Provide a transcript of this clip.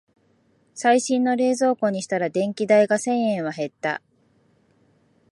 最新の冷蔵庫にしたら電気代が千円は減った